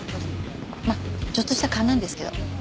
まあちょっとした勘なんですけど。